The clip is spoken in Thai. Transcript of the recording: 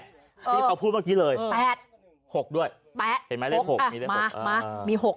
ที่เขาพูดเมื่อกี้เลยแปดหกด้วยแปดเห็นไหมเลขหกมามามีหก